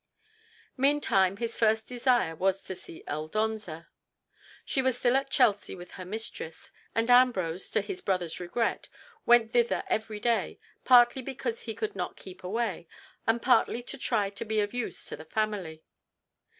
Meantime his first desire was to see Aldonza. She was still at Chelsea with her mistress, and Ambrose, to his brother's regret, went thither every day, partly because he could not keep away, and partly to try to be of use to the family.